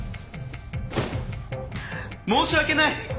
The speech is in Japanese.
申し訳ない！